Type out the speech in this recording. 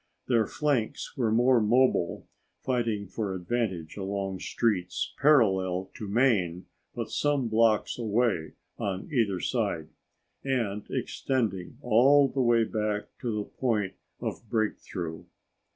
Their flanks were more mobile, fighting for advantage along streets parallel to Main but some blocks away on either side, and extending all the way back to the point of breakthrough.